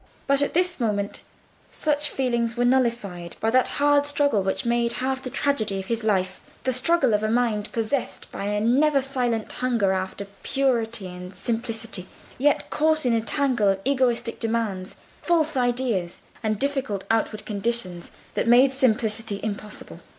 But at this moment such feelings were nullified by that hard struggle which made half the tragedy of his life—the struggle of a mind possessed by a never silent hunger after purity and simplicity, yet caught in a tangle of egoistic demands, false ideas, and difficult outward conditions, that made simplicity impossible.